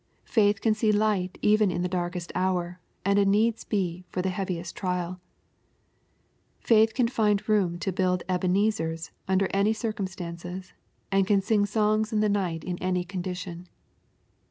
Faith can see light even in the darkest hour, and a needs be for the heaviest trial Faith can find room to build Ebenezers under any circumstances, and can sing songs in the night in any condition.